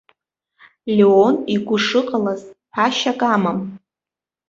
Леон игәы шыҟалаз ҳәашьак амам.